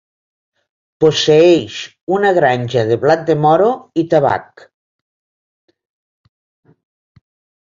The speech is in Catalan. Posseeix una granja de blat de moro i tabac.